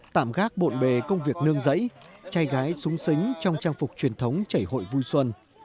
tạm gác bộn bề công việc nương giấy trai gái súng xính trong trang phục truyền thống chảy hội vui xuân